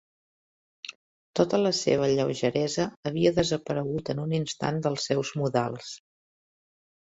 Tota la seva lleugeresa havia desaparegut en un instant dels seus modals.